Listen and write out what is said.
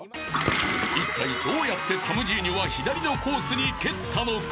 ［いったいどうやってタムジーニョは左のコースに蹴ったのか？］